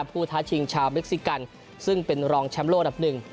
ท้าชิงชาวเม็กซิกันซึ่งเป็นรองแชมป์โลกอันดับหนึ่ง